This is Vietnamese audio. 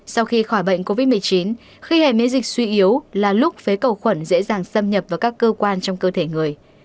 sau khi khỏi bệnh covid một mươi chín khi hè miễn dịch suy yếu là lúc phế cầu khuẩn dễ dàng xâm nhập vào các cơ quan trong cơ thể người